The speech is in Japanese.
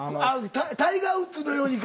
タイガー・ウッズのようにか。